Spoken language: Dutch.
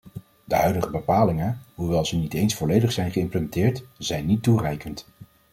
De huidige bepalingen, hoewel ze niet eens volledig zijn geïmplementeerd, zijn niet toereikend.